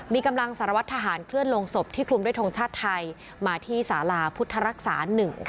มีกำลังสารวัตรทหารเคลื่อนลงศพที่คลุมด้วยทงชาติไทยมาที่สาราพุทธรักษา๑๙